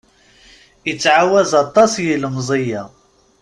Ittɛawaz aṭas yilemẓi-a.